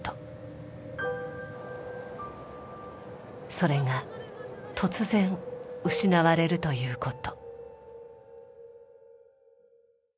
それが突然失われるということ。